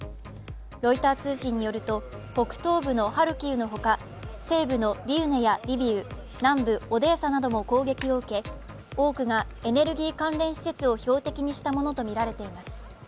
ロイター通信によると、北東部のハルキウのほか西部のリウネやリビウ、南部オデーサなども攻撃を受け、多くがエネルギー関連施設を標的にしたものとみられています。